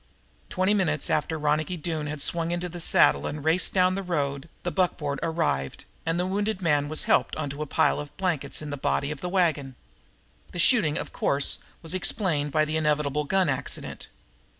Twenty minutes after Ronicky Doone had swung into the saddle and raced down the road, the buckboard arrived and the wounded man was helped on to a pile of blankets in the body of the wagon. The shooting, of course, was explained by the inevitable gun accident.